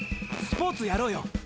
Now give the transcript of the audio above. スポーツやろうよ。